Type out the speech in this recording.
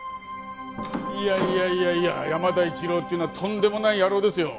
いやいやいやいや山田一郎っていうのはとんでもない野郎ですよ。